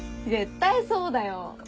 絶対そうだよ。